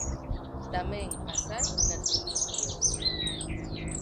Tamén as hai nas industrias.